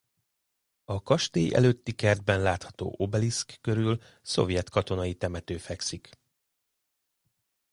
A kastély előtti kertben látható obeliszk körül szovjet katonai temető fekszik.